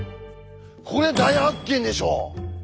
これ大発見でしょう！？